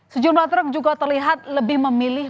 sejumlah truk juga terlihat lebih memilih